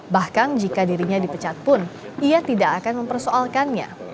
bahkan jika dirinya dipecat pun ia tidak akan mempersoalkannya